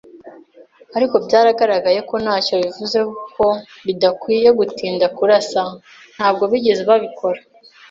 Ariko byaragaragaye ko ntacyo bivuze ko bidakwiye gutinda kurasa. Ntabwo bigeze babikora